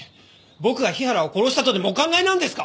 僕が日原を殺したとでもお考えなんですか！？